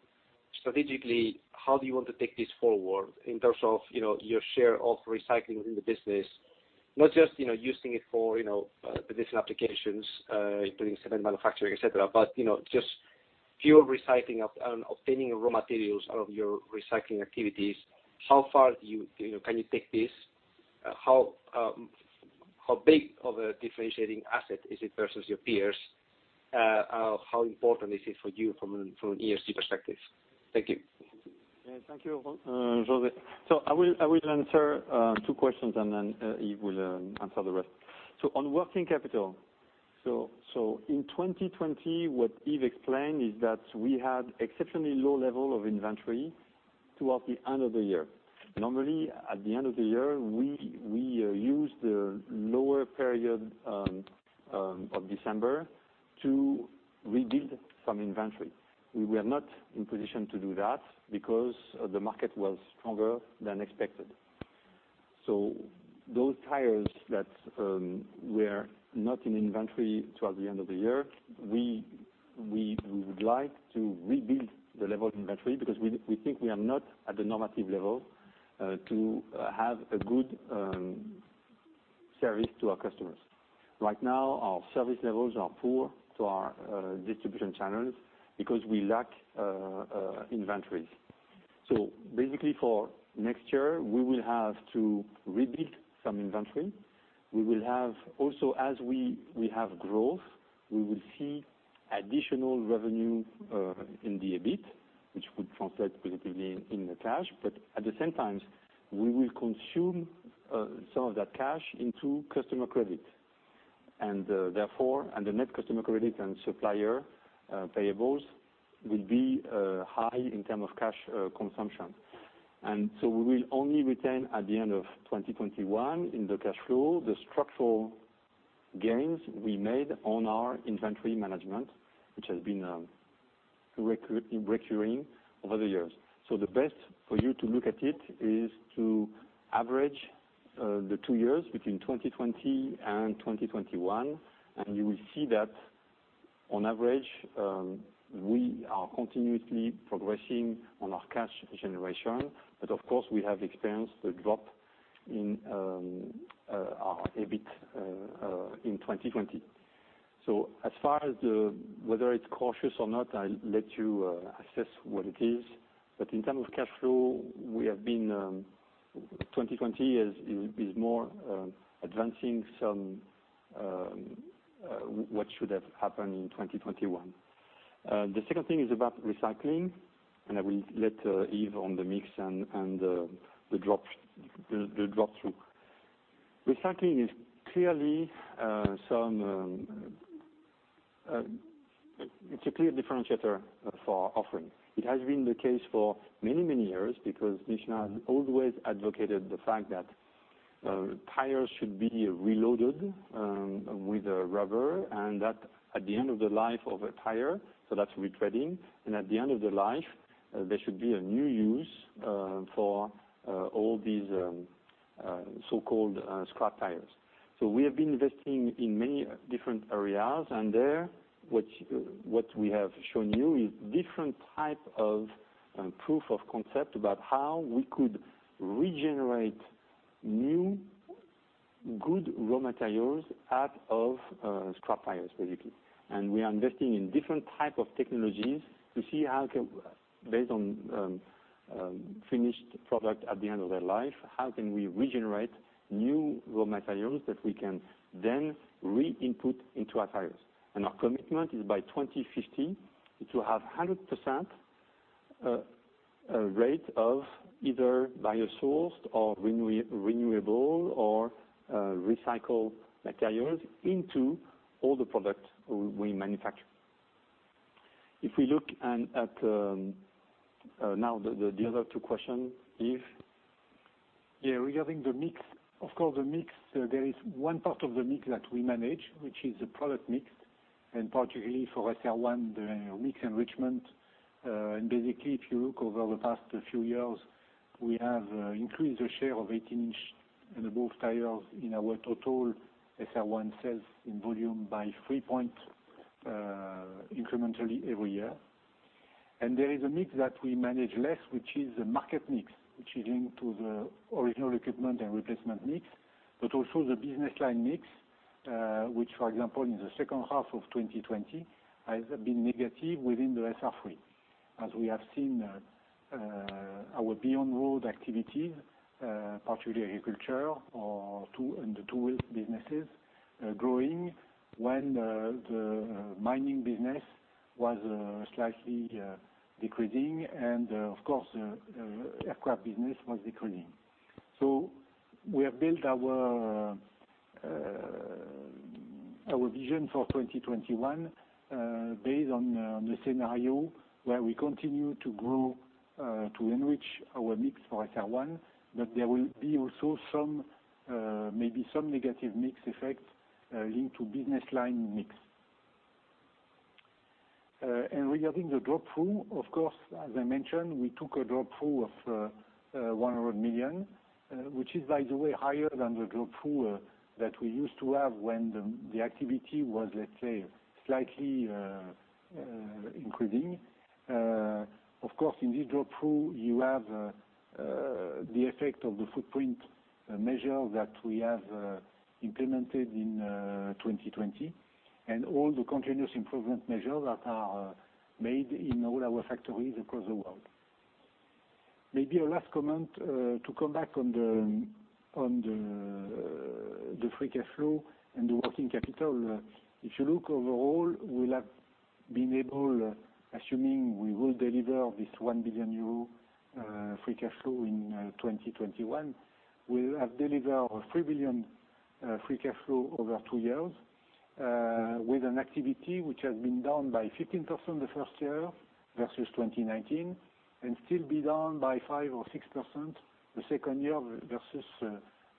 [SPEAKER 9] strategically how do you want to take this forward in terms of, you know, your share of recycling within the business, not just, you know, using it for, you know, the different applications, including cement manufacturing, etc., but, you know, just pure recycling of, obtaining raw materials out of your recycling activities. How far do you, you know, can you take this? How big of a differentiating asset is it versus your peers? How important is it for you from an ESG perspective? Thank you.
[SPEAKER 1] Yeah. Thank you, José. I will answer two questions, and then Yves will answer the rest. On working capital, in 2020, what Yves explained is that we had exceptionally low level of inventory towards the end of the year. Normally, at the end of the year, we use the lower period of December to rebuild some inventory. We were not in position to do that because the market was stronger than expected. Those tires that were not in inventory towards the end of the year, we would like to rebuild the level of inventory because we think we are not at the normative level to have a good service to our customers. Right now, our service levels are poor to our distribution channels because we lack inventories. Basically, for next year, we will have to rebuild some inventory. We will have also, as we have growth, we will see additional revenue in the EBIT, which would translate positively in the cash, but at the same time, we will consume some of that cash into customer credit. And therefore, the net customer credit and supplier payables will be high in terms of cash consumption, and so we will only retain at the end of 2021 in the cash flow the structural gains we made on our inventory management, which has been recurring over the years. So the best for you to look at it is to average the two years between 2020 and 2021, and you will see that on average, we are continuously progressing on our cash generation, but of course, we have experienced the drop in our EBIT in 2020. So as far as whether it's cautious or not, I'll let you assess what it is. But in terms of cash flow, we have been. 2020 is more advancing some what should have happened in 2021. The second thing is about recycling, and I will let Yves on the mix and the drop-through. Recycling is clearly. It's a clear differentiator for our offering. It has been the case for many, many years because Michelin has always advocated the fact that tires should be reloaded with rubber, and that at the end of the life of a tire, so that's retreading. And at the end of the life, there should be a new use for all these so-called scrap tires. So we have been investing in many different areas, and there, what we have shown you is different type of proof of concept about how we could regenerate new good raw materials out of scrap tires, basically. And we are investing in different type of technologies to see how, based on finished product at the end of their life, how we can regenerate new raw materials that we can then re-input into our tires. And our commitment is by 2050 to have 100% rate of either biosourced or renewable or recycled materials into all the product we manufacture. If we look at now the other two questions, Yves.
[SPEAKER 2] Yeah. Regarding the mix, of course, the mix, there is one part of the mix that we manage, which is the product mix, and particularly for SR1, the mix enrichment. Basically, if you look over the past few years, we have increased the share of 18-inch and above tires in our total SR1 sales in volume by 3 points incrementally every year. There is a mix that we manage less, which is the market mix, which is linked to the original equipment and replacement mix, but also the business line mix, which, for example, in the second half of 2020, has been negative within the SR3, as we have seen. Our off-road activities, particularly agriculture, OTR, and the two-wheel businesses, growing when the mining business was slightly decreasing. Of course, the aircraft business was decreasing. So we have built our vision for 2021, based on the scenario where we continue to grow, to enrich our mix for SR1, but there will be also some, maybe some negative mix effect, linked to business line mix, and regarding the drop-through, of course, as I mentioned, we took a drop-through of 100 million, which is, by the way, higher than the drop-through that we used to have when the activity was, let's say, slightly increasing, of course, in this drop-through, you have the effect of the footprint measure that we have implemented in 2020, and all the continuous improvement measures that are made in all our factories across the world. Maybe a last comment to come back on the free cash flow and the working capital. If you look overall, we'll have been able, assuming we will deliver this 1 billion euro free cash flow in 2021, we'll have delivered 3 billion free cash flow over two years, with an activity which has been down by 15% the first year versus 2019, and still be down by 5% or 6% the second year versus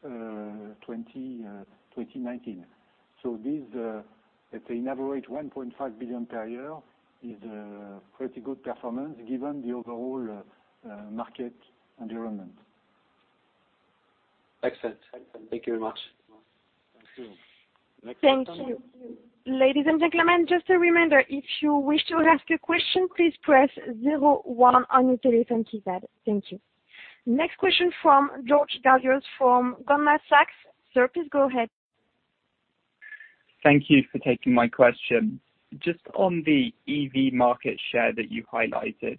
[SPEAKER 2] 2019. So this, let's say, on average, 1.5 billion per year is a pretty good performance given the overall market environment.
[SPEAKER 9] Excellent. Excellent. Thank you very much.
[SPEAKER 1] Thank you. Next question.
[SPEAKER 3] Thank you. Ladies and gentlemen, just a reminder, if you wish to ask a question, please press zero one on your telephone keypad. Thank you. Next question from George Galliers from Goldman Sachs. Sir, please go ahead.
[SPEAKER 10] Thank you for taking my question. Just on the EV market share that you highlighted,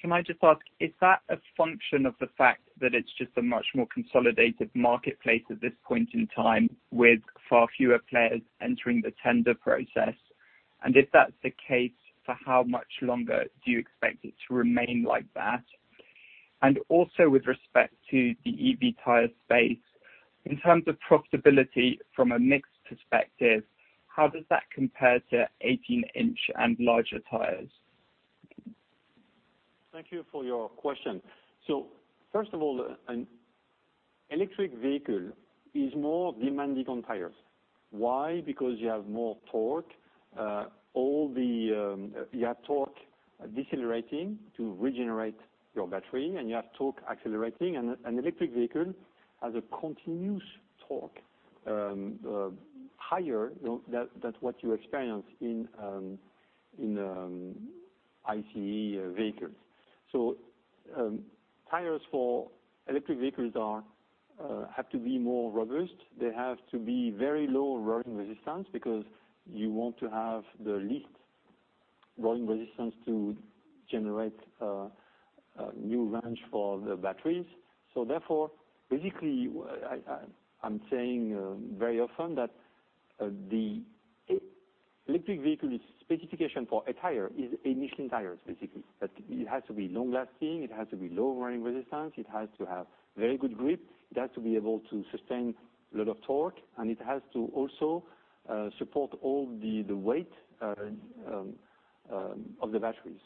[SPEAKER 10] can I just ask, is that a function of the fact that it's just a much more consolidated marketplace at this point in time with far fewer players entering the tender process? And if that's the case, for how much longer do you expect it to remain like that? And also with respect to the EV tire space, in terms of profitability from a mixed perspective, how does that compare to 18-inch and larger tires?
[SPEAKER 1] Thank you for your question. So first of all, an electric vehicle is more demanding on tires. Why? Because you have more torque. You have torque decelerating to regenerate your battery, and you have torque accelerating. And an electric vehicle has a continuous torque, higher than what you experience in ICE vehicles. So, tires for electric vehicles are, have to be more robust. They have to be very low rolling resistance because you want to have the least rolling resistance to generate new range for the batteries. Therefore, basically, I'm saying very often that the electric vehicle specification for a tire is essential tires, basically, that it has to be long-lasting. It has to be low rolling resistance. It has to have very good grip. It has to be able to sustain a lot of torque, and it has to also support all the weight of the batteries.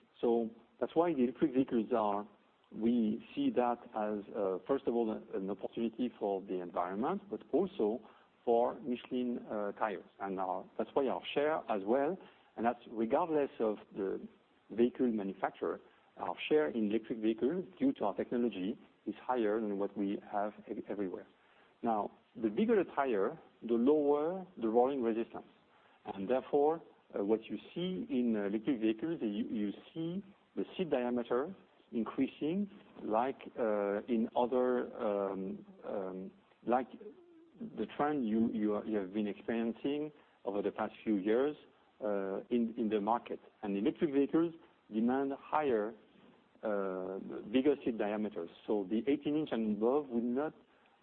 [SPEAKER 1] That's why we see the electric vehicles as, first of all, an opportunity for the environment, but also for Michelin tires. And that's why our share as well, and that's regardless of the vehicle manufacturer, our share in electric vehicles due to our technology is higher than what we have everywhere. Now, the bigger the tire, the lower the rolling resistance, and therefore, what you see in electric vehicles, you see the rim diameter increasing like in other like the trend you have been experiencing over the past few years in the market, and electric vehicles demand higher, bigger rim diameters, so the 18-inch and above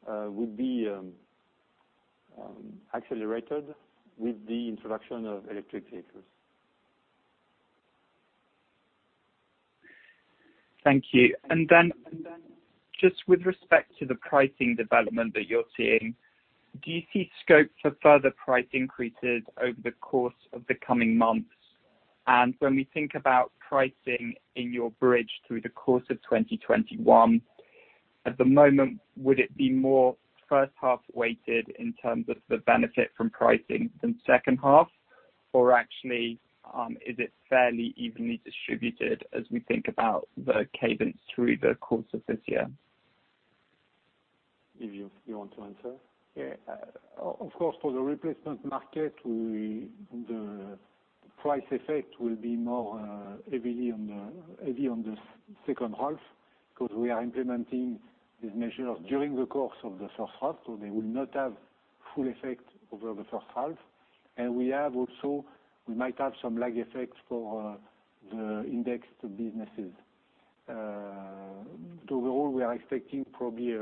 [SPEAKER 1] would be accelerated with the introduction of electric vehicles.
[SPEAKER 10] Thank you. And then just with respect to the pricing development that you're seeing, do you see scope for further price increases over the course of the coming months? And when we think about pricing in your bridge through the course of 2021, at the moment, would it be more first half weighted in terms of the benefit from pricing than second half? Or actually, is it fairly evenly distributed as we think about the cadence through the course of this year?
[SPEAKER 1] Yves, you want to answer?
[SPEAKER 2] Yeah. Of course, for the replacement market, the price effect will be more heavily on the second half because we are implementing these measures during the course of the first half. So they will not have full effect over the first half. And we also might have some lag effects for the indexed businesses. But overall, we are expecting probably.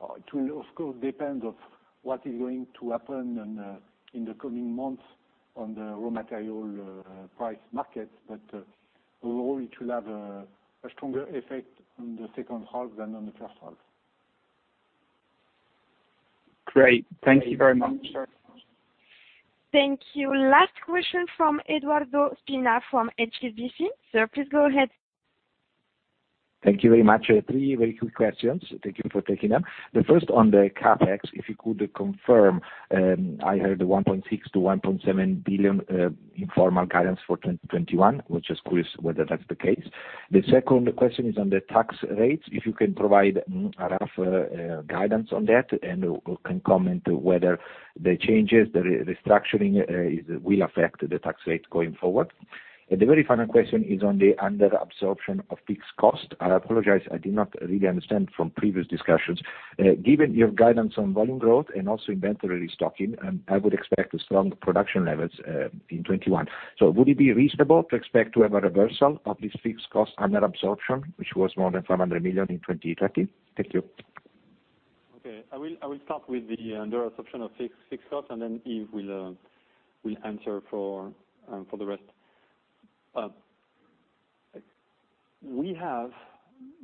[SPEAKER 2] It will, of course, depend on what is going to happen in the coming months on the raw material price market. But overall, it will have a stronger effect on the second half than on the first half.
[SPEAKER 10] Great. Thank you very much.
[SPEAKER 3] Thank you. Last question from Edoardo Spina from HSBC. Sir, please go ahead.
[SPEAKER 11] Thank you very much. Three very quick questions. Thank you for taking them. The first on the CapEx, if you could confirm, I heard 1.6 billion to 1.7 billion, informal guidance for 2021. I was just curious whether that's the case. The second question is on the tax rates. If you can provide a rough guidance on that and can comment whether the changes, the restructuring, will affect the tax rates going forward. And the very final question is on the under-absorption of fixed cost. I apologize. I did not really understand from previous discussions. Given your guidance on volume growth and also inventory restocking, I would expect strong production levels in 2021. So would it be reasonable to expect to have a reversal of this fixed cost under-absorption, which was more than 500 million in 2020? Thank you.
[SPEAKER 1] Okay. I will start with the under-absorption of fixed cost, and then Yves will answer for the rest. We have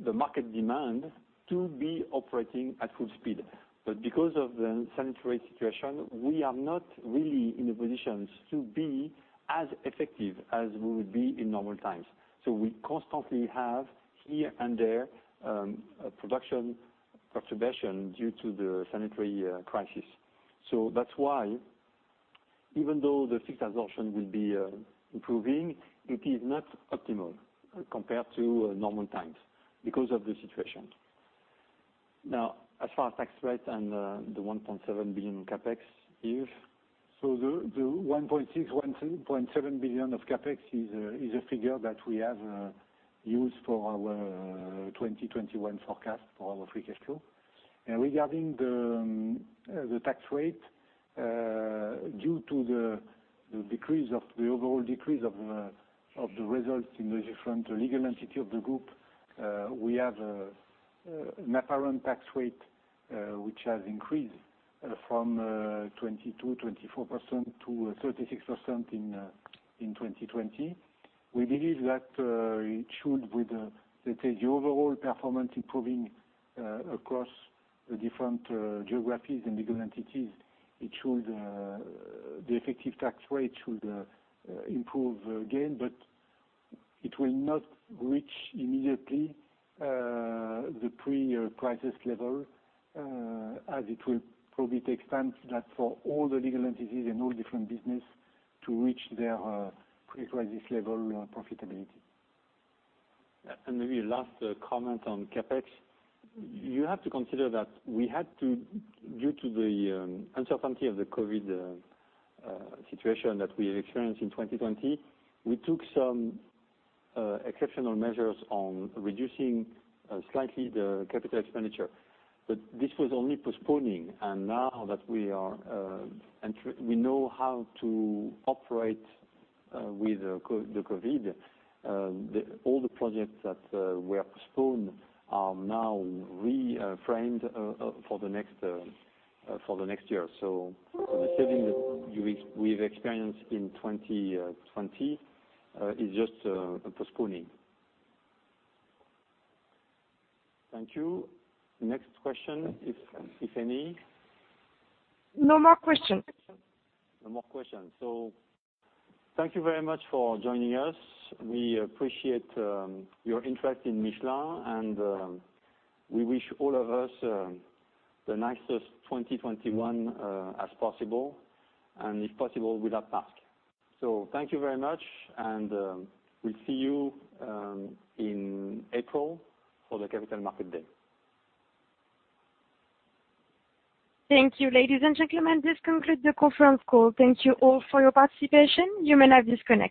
[SPEAKER 1] the market demand to be operating at full speed, but because of the sanitary situation, we are not really in a position to be as effective as we would be in normal times, so we constantly have here and there production perturbation due to the sanitary crisis. So that's why, even though the fixed absorption will be improving, it is not optimal compared to normal times because of the situation. Now, as far as tax rates and the 1.7 billion CapEx, Yves?
[SPEAKER 2] So the 1.6 to 1.7 billion of CapEx is a figure that we have used for our 2021 forecast for our free cash flow. Regarding the tax rate, due to the decrease of the overall results in the different legal entities of the group, we have an apparent tax rate, which has increased from 22%, 24% to 36% in 2020. We believe that it should, with let's say the overall performance improving across the different geographies and legal entities, the effective tax rate should improve again. But it will not reach immediately the pre-crisis level, as it will probably take time for all the legal entities and all different businesses to reach their pre-crisis level profitability.
[SPEAKER 1] Maybe a last comment on CapEx. You have to consider that we had to, due to the uncertainty of the COVID situation that we have experienced in 2020, take some exceptional measures on reducing slightly the capital expenditure. But this was only postponing. And now that we are and we know how to operate with the COVID, all the projects that were postponed are now reframed for the next year. So the savings that we've experienced in 2020 is just postponing. Thank you. Next question, if any?
[SPEAKER 3] No more questions. No more questions. So thank you very much for joining us. We appreciate your interest in Michelin, and we wish all of us the nicest 2021 as possible. And if possible, without masks. So thank you very much, and we'll see you in April for the Capital Markets Day. Thank you. Ladies and gentlemen, this concludes the conference call. Thank you all for your participation. You may now disconnect.